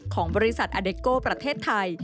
ของบริษัทอเดโก้ประเทศไทย